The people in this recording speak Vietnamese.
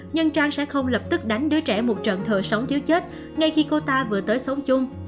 nhân trang sẽ không lập tức đánh đứa trẻ một trận thờ sống thiếu chết ngay khi cô ta vừa tới sống chung